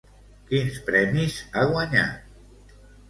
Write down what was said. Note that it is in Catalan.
Quins premis ha guanyat?